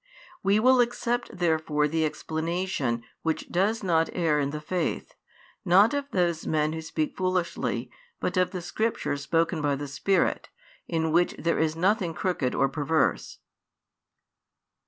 We will accept therefore the explanation which does not err in the faith, not of those men who speak foolishly, but of the Scripture |130 spoken by the Spirit, in which there is nothing crooked or perverse.